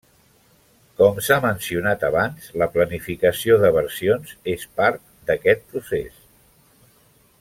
Com s'ha mencionat abans, la planificació de versions és part d'aquest procés.